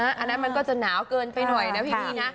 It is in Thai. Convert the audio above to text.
อันนั้นมันก็จะหนาวเกินไปหน่อยนะพี่นะ